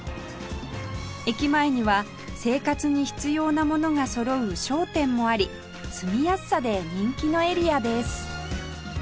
駅前には生活に必要なものがそろう商店もあり住みやすさで人気のエリアです